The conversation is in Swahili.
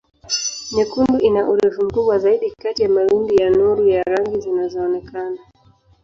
Nyekundu ina urefu mkubwa zaidi kati ya mawimbi ya nuru ya rangi zinazoonekana.